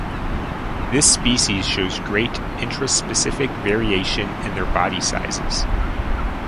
This species shows great intraspecific variation in their body sizes.